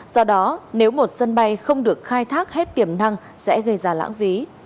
do đó nếu một sân bay không được khai thác hết tiềm năng sẽ gây ra lãng phí